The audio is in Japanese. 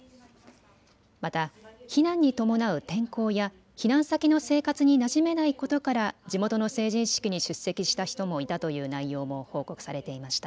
また避難に伴う転校や避難先の生活になじめないことから地元の成人式に出席した人もいたという内容も報告されていました。